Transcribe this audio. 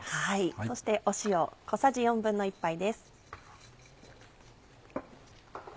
そして塩小さじ１／４杯です。